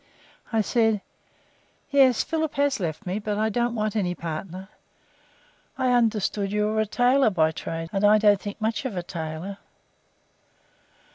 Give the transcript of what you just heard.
I said: "Yes, Philip has left me, but I don't want any partner. I understand you are a tailor by trade, and I don't think much of a tailor."